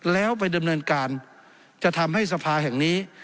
แล้วไปดำเนินการจะทำให้สภาแห่งนี้